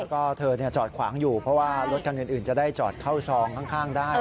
แล้วก็เธอจอดขวางอยู่เพราะว่ารถคันอื่นจะได้จอดเข้าซองข้างได้